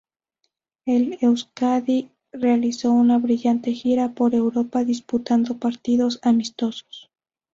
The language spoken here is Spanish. El Euzkadi realizó una brillante gira por Europa disputando partidos amistosos.